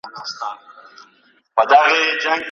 لښکر پردی وي خپل پاچا نه لري